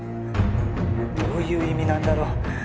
どういう意味なんだろ？